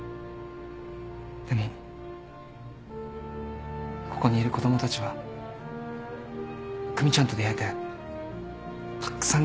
でもここにいる子供たちは久美ちゃんと出会えてたっくさん